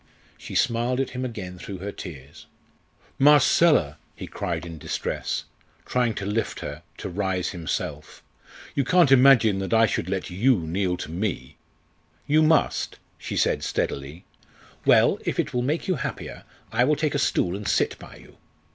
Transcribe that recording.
She smiled at him again through her tears. "Marcella," he cried in distress, trying to lift her, to rise himself, "you can't imagine that I should let you kneel to me!" "You must," she said steadily; "well, if it will make you happier, I will take a stool and sit by you.